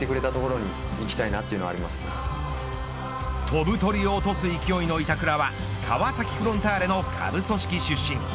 飛ぶ鳥を落とす勢いの板倉は川崎フロンターレの下部組織出身。